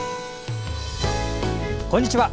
こんにちは。